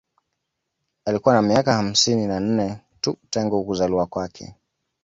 Alikuwa na miaka hamsini na nne tu tangu kuzaliwa kwake